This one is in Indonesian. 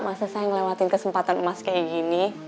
masa saya ngelewatin kesempatan emas kayak gini